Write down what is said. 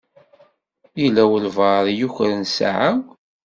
Yella walebɛaḍ i yukren ssaɛa-w.